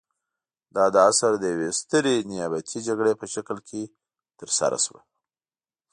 دا د عصر د یوې سترې نیابتي جګړې په شکل کې ترسره شوه.